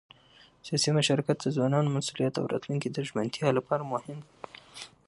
سیاسي مشارکت د ځوانانو د مسؤلیت او راتلونکي د ژمنتیا لپاره مهم دی